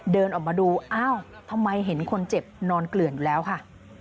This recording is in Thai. เดินออกมาดูอ้าวทำไมเห็นคนเจ็บนอนเกลื่อนอยู่แล้วค่ะ